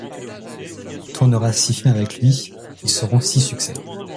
Elle tournera six films avec lui, qui seront six succès.